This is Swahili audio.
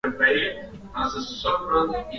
likipungua katikati ya asubuhi hadi saa tatu